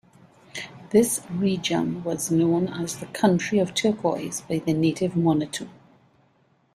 This region was known as the "Country of Turquoise" by the native Monitu.